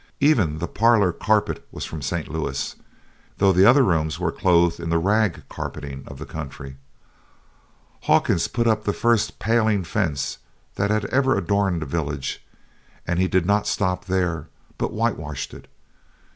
Even the parlor carpet was from St. Louis though the other rooms were clothed in the "rag" carpeting of the country. Hawkins put up the first "paling" fence that had ever adorned the village; and he did not stop there, but whitewashed it.